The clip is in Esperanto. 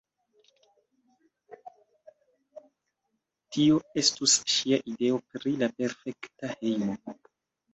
Tio estus ŝia ideo pri la perfekta hejmo.